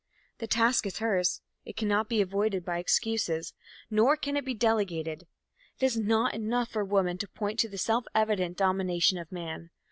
The task is hers. It cannot be avoided by excuses, nor can it be delegated. It is not enough for woman to point to the self evident domination of man.